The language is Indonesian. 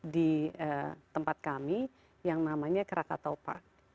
di tempat kami yang namanya krakatau park